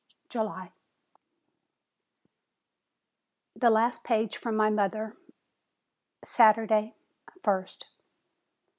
JULY THE LAST PAGE FROM MY MOTHER Saturday, ist.